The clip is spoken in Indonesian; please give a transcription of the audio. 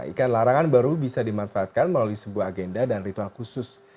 ikan larangan baru bisa dimanfaatkan melalui sebuah agenda dan ritual khusus